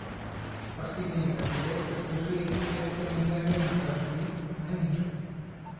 Спортивные мероприятия служили средствами замены вражды на мир.